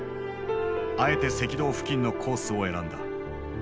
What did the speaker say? あえて赤道付近のコースを選んだ。